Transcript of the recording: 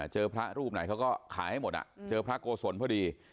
เจอพระรูปไหนเขาก็ขายให้หมดเจอพระโกศลพอดี